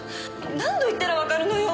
何度言ったらわかるのよ！